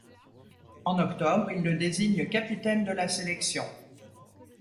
En octobre il le désigne capitaine de la sélection.